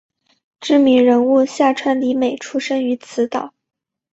知名人物夏川里美出身于此岛。